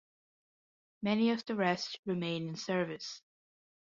Many of the rest remain in service.